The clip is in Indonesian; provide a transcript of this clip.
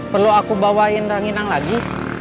perlu aku bawain ranginang lagi